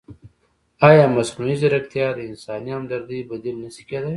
ایا مصنوعي ځیرکتیا د انساني همدردۍ بدیل نه شي کېدای؟